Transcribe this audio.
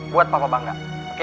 buat papa bangga oke